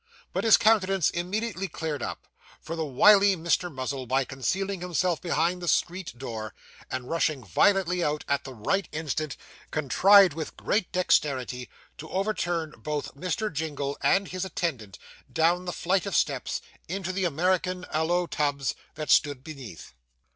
But his countenance immediately cleared up; for the wily Mr. Muzzle, by concealing himself behind the street door, and rushing violently out, at the right instant, contrived with great dexterity to overturn both Mr. Jingle and his attendant, down the flight of steps, into the American aloe tubs that stood beneath.